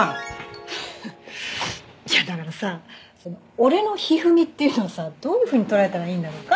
フフいやだからさその俺の一二三っていうのをさどういうふうに捉えたらいいんだろうか？